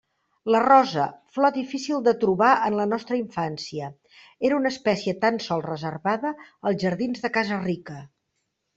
La rosa, flor difícil de trobar en la nostra infància, era una espècie tan sols reservada a jardins de casa rica.